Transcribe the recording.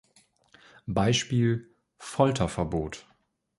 Beispiel: Folterverbot.